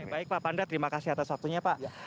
baik pak panda terima kasih atas waktunya pak